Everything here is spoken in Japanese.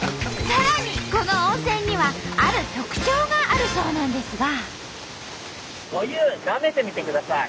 さらにこの温泉にはある特徴があるそうなんですが。